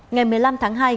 ngày một mươi năm tháng hai